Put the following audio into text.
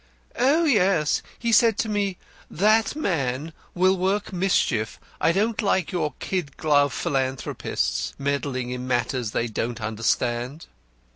"Oh, yes! He said to me, 'That man will work mischief. I don't like your kid glove philanthropists meddling in matters they don't understand.'"